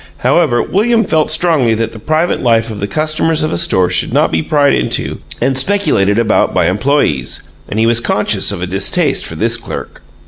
However, William felt strongly that the private life of the customers of a store should not be pried into and speculated about by employees, and he was conscious of a distaste for this clerk.